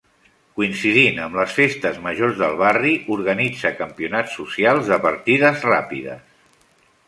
Coincidint amb les festes majors del barri, organitza campionats socials de partides ràpides.